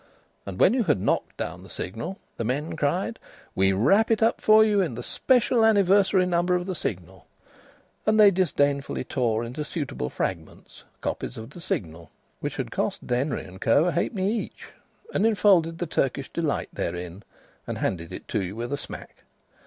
And when you had knocked down the signal the men cried: "We wrap it up for you in the special Anniversary Number of the Signal." And they disdainfully tore into suitable fragments copies of the Signal which had cost Denry & Co. a halfpenny each, and enfolded the Turkish delight therein, and handed it to you with a smack.